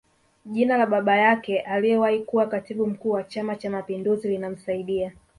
Jina la baba yake aliyewahi kuwa Katibu Mkuu wa Chama Cha mapinduzi linamsaidia